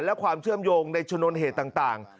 และความเชื่อมโยงในชนวนเหตุต่าง